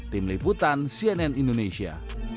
tim liputan cnn indonesia